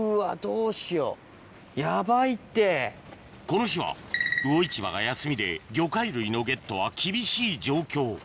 この日は魚市場が休みで魚介類のゲットは厳しい状況